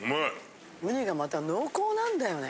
ウニがまた濃厚なんだよね。